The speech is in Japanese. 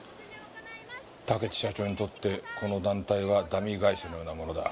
竹地社長にとってこの団体はダミー会社のようなものだ。